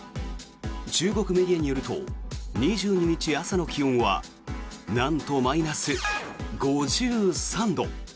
中国メディアによると２２日朝の気温はなんと、マイナス５３度。